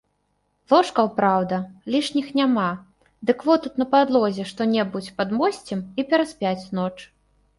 Ложкаў, праўда, лішніх няма, дык во тут на падлозе што-небудзь падмосцім, і пераспяць ноч.